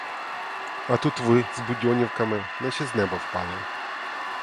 А тут ви з будьонівками наче з неба впали.